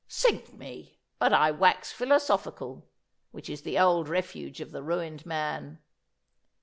Sink me, but I wax philosophical, which is the old refuge of the ruined man.